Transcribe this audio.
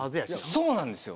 そうなんですよ！